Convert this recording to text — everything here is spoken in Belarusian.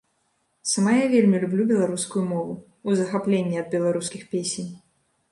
Сама я вельмі люблю беларускую мову, у захапленні ад беларускіх песень.